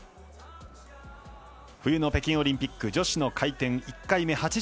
冬の北京オリンピック女子の回転１回目。